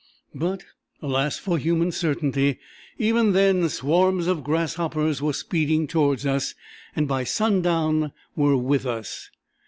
But alas for human certainty! Even then swarms of grasshoppers were speeding towards us, and by sundown were with us.